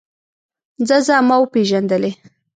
ځه ځه ما وپېژندلې.